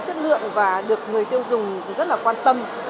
chất lượng và được người tiêu dùng rất là quan tâm